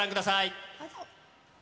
どうぞ。